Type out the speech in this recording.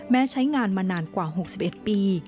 ใช้งานมานานกว่า๖๑ปี